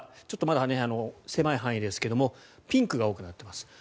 ちょっとまだ狭い範囲ですがピンクが多くなっています。